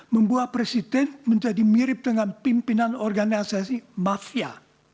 membuat presiden menjadi mirip dengan pimpinan organisasi mafia